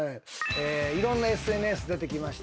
いろんなＳＮＳ出てきました。